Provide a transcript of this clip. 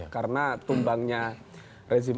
karena tumbangnya rezim